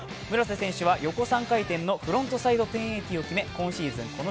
村瀬選手は横３回転のフロントサイド１０８０を決め今シーズン